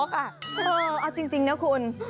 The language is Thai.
อ๊อกอ่ะเออเอาจริงนะคุณ